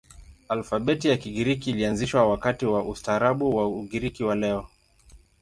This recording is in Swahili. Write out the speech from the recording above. Alfabeti ya Kigiriki ilianzishwa wakati wa ustaarabu wa Ugiriki wa leo.